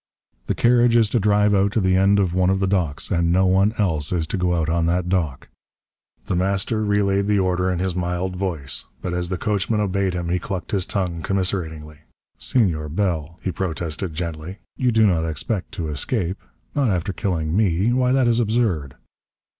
"The carriage is to drive out to the end of one of the docks, and no one else is to go out on that dock." The Master relayed the order in his mild voice, but as the coachman obeyed him he clucked his tongue commiseratingly. "Senor Bell," he protested gently. "You do not expect to escape! Not after killing me! Why that is absurd!"